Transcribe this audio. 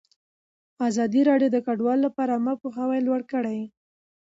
ازادي راډیو د کډوال لپاره عامه پوهاوي لوړ کړی.